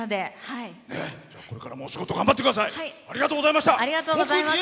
これからもお仕事頑張ってください。